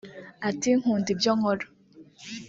Ati “Nkunda ibyo nkora